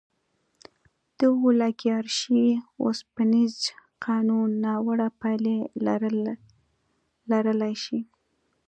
د اولیګارشۍ اوسپنیز قانون ناوړه پایلې لرلی شي.